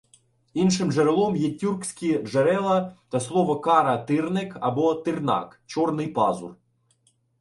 Іншим джерелом є тюркскі джерела та слово "Кара Тирнек" або "Тирнак" - "чорний пазур".